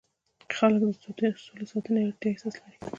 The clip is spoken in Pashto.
خلک د سولې ساتنې اړتیا احساس کړي.